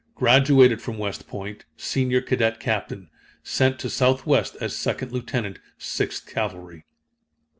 Graduated from West Point, senior cadet captain. Sent to southwest as second lieutenant, 6th cavalry.